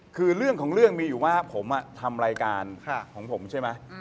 คือเรื่องของเรื่องมีอยู่ว่าผมทำรายการของผมใช่ไหม